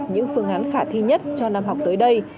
những phương án khả thi nhất cho năm học tới đây